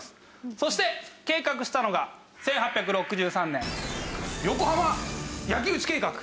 そして計画したのが「１８６３年横浜焼き討ち計画」。